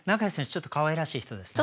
ちょっとかわいらしい人ですね。